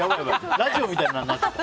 ラジオみたいになっちゃった。